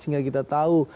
sehingga kita tahu